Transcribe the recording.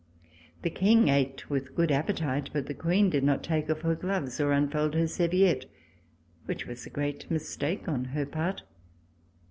The King ate with good appe tite, but the Queen did not take off her gloves or unfold her serviette, which was a great mistake on her part.